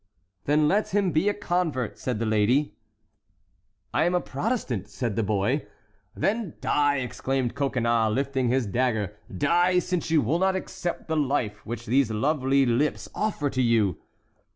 "Then let him be a convert," said the lady. "I am a Protestant," said the boy. "Then die!" exclaimed Coconnas, lifting his dagger; "die! since you will not accept the life which those lovely lips offer to you."